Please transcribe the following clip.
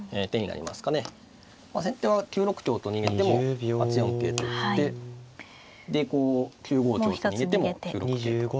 先手は９六香と逃げても８四桂と打ってでこう９五香と逃げても９六桂と。